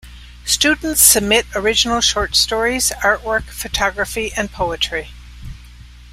Students submit original short stories, artwork, photography and poetry.